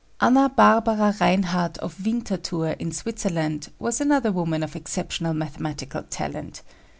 Anna Barbara Reinhardt of Winterthur in Switzerland was another woman of exceptional mathematical talent.